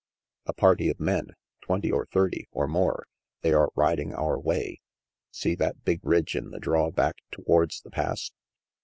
"A party of men, twenty or thirty, or more. They are riding our way. See that big ridge in the draw back towards the Pass?